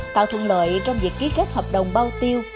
tạo thuận lợi trong việc ký kết hợp đồng bao tiêu